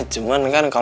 cuman kan kalau